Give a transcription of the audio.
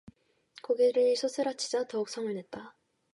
고개를 소스라치자 더욱 성을 냈다